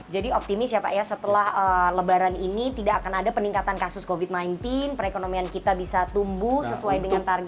jadi optimis ya pak ya setelah lebaran ini tidak akan ada peningkatan kasus covid sembilan belas perekonomian kita bisa tumbuh sesuai dengan target